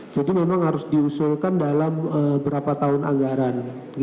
jadi memang harus diusulkan dalam beberapa tahun anggaran